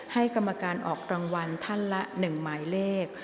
กรรมการออกรางวัลท่านละ๑หมายเลข